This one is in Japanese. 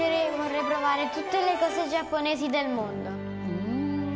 うん。